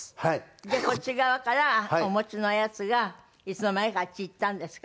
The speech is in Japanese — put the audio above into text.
でこっち側からお持ちのやつがいつの間にかあっち行ったんですから。